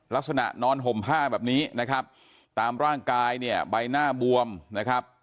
นอนห่มผ้าแบบนี้นะครับตามร่างกายเนี่ยใบหน้าบวมนะครับ